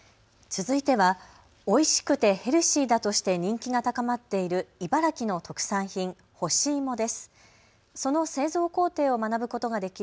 続いては、おいしくてヘルシーだとして人気が高まっている茨城の特産品、干し芋です。